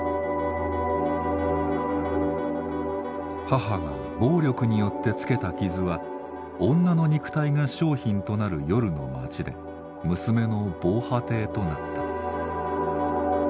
母が暴力によってつけた傷は女の肉体が商品となる夜の街で娘の防波堤となった。